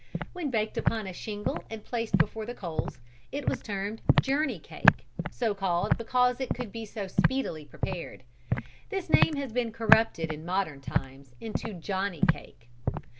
When baked upon a shingle and placed before the coals, it was termed Journey Cake, so called because it could be so speedily prepared. This name has been corrupted in modern times into Johnny Cake.